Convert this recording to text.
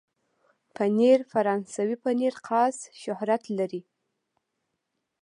پنېر فرانسوي پنېر خاص شهرت لري.